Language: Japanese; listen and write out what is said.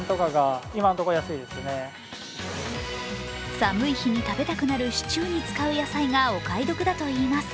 寒い日に食べたくなるシチューに使う野菜がお買い得だといいます。